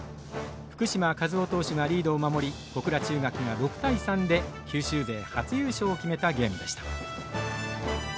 福嶋一雄投手がリードを守り小倉中学が６対３で九州勢初優勝を決めたゲームでした。